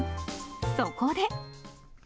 そこで。